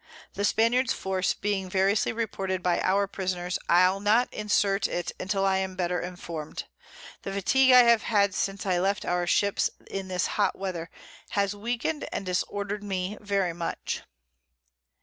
The Spaniards Force being variously reported by our Prisoners, I'll not insert it till I am better inform'd. The Fatigue I have had since I left our Ships in this hot Weather has weaken'd and disorder'd me very much.